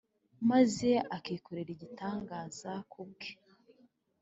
maze akikorera igitangaza ku bwe